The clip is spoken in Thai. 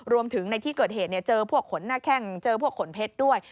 รวมถึงในที่เกิดเหตุเจอพวกขนหน้าแข้งเจอพวกขนเพชรด้วย